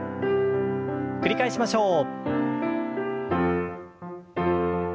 繰り返しましょう。